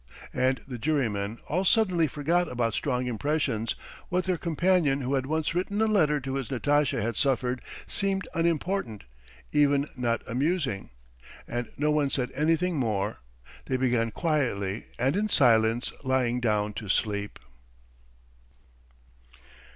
And the jurymen all suddenly forgot about strong impressions; what their companion who had once written a letter to his Natasha had suffered seemed unimportant, even not amusing; and no one said anything more; they began quietly and in silence lying down to sleep.